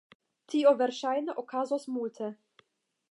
Tio verŝajne okazos multe.